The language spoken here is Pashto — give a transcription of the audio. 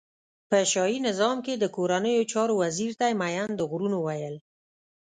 په شاهی نظام کی د کورنیو چارو وزیر ته یی مین د غرونو ویل.